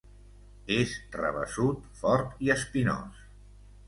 És rabassut, fort i espinós.